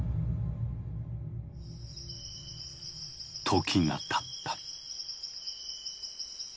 時がたった。